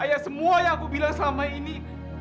ya semua yang aku bilang selama ini